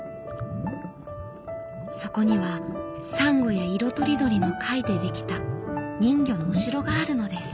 そこにはサンゴや色とりどりの貝でできた人魚のお城があるのです。